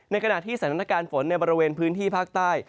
ขณะที่สถานการณ์ฝนในบริเวณพื้นที่ภาคใต้